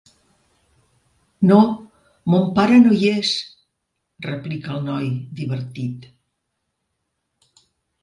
No, mon pare no hi és! —replica el noi, divertit—.